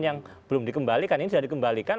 yang belum dikembalikan ini sudah dikembalikan